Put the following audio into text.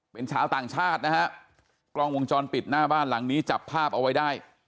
เป็นชาวต่างชาตินะฮะกล้องวงจรปิดหน้าบ้านหลังนี้จับภาพเอาไว้ได้